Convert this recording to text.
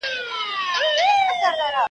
اشرف المخلوقات .